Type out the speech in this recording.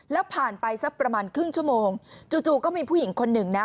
แล้วผ่านไปสักประมาณครึ่งชั่วโมงจู่ก็มีผู้หญิงคนหนึ่งนะ